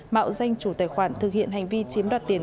mạo danh chủ tài khoản thực hiện hành vi chiếm đoạt tiền